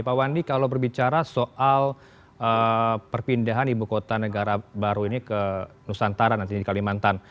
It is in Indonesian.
pak wandi kalau berbicara soal perpindahan ibu kota negara baru ini ke nusantara nantinya di kalimantan